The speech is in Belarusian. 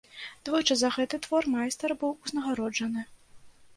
Двойчы за гэты твор майстар быў узнагароджаны.